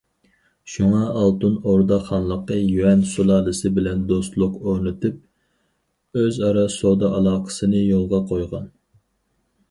شۇڭا ئالتۇن ئوردا خانلىقى يۈەن سۇلالىسى بىلەن دوستلۇق ئورنىتىپ، ئۆزئارا سودا ئالاقىسىنى يولغا قويغان.